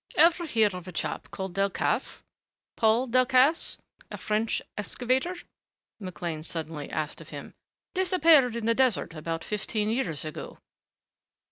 "Ever hear of a chap called Delcassé, Paul Delcassé, a French excavator?" McLean suddenly asked of him. "Disappeared in the desert about fifteen years ago."